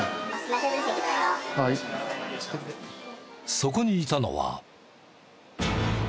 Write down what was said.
そこにいたのは。